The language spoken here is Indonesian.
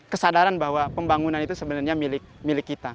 kesadaran bahwa pembangunan itu sebenarnya milik kita